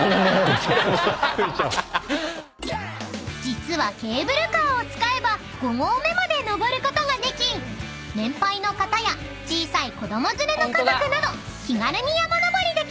［実はケーブルカーを使えば５合目まで登ることができ年配の方や小さい子供連れの家族など気軽に山登りできるんです］